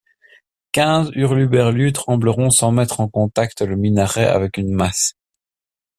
Quinze hurluberlues trembleront sans mettre en contact le minaret avec une masse.